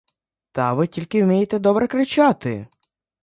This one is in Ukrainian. Та ви тільки вмієте добре кричати!